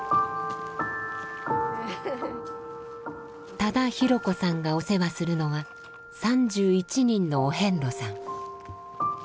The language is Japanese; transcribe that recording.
多田博子さんがお世話するのは３１人のお遍路さん。